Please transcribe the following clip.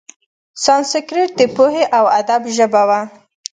سانسکریت د پوهې او ادب ژبه وه.